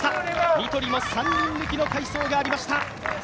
ニトリも３人抜きの快走がありました。